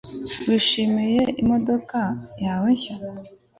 Wishimiye imodoka yawe nshya